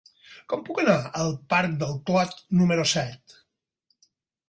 Com puc anar al parc del Clot número set?